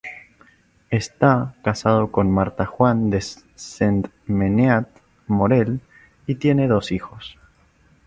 Está casado con Marta Juan de Sentmenat Morell y tiene dos hijos.